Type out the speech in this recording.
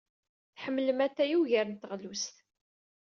Tḥemmlem atay ugar n teɣlust.